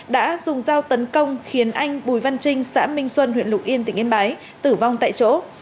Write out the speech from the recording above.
đã dùng dao tấn công khiến anh bùi văn trinh xã minh xuân huyện lục yên tỉnh yên bái tử vong tại chỗ